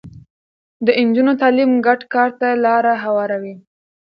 د نجونو تعليم ګډ کار ته لاره هواروي.